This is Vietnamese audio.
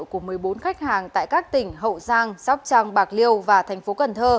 của một mươi bốn khách hàng tại các tỉnh hậu giang sóc trăng bạc liêu và tp cn